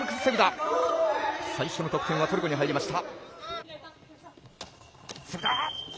最初の得点はトルコに入りました。